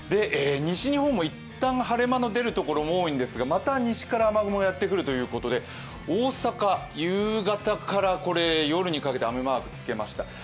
西日本も一旦、晴れ間の出る所も多いんですが、また西から雨雲がやってくるということで、大阪、夕方から夜にかけて雨マークをつけました。